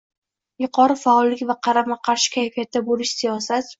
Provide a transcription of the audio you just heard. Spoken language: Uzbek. Yuqori faollik va qarama-qarshi kayfiyatda bo‘lish siyosat